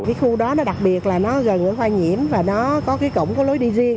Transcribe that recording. cái khu đó đặc biệt là nó gần khoa nhiễm và nó có cái cổng có lối đi riêng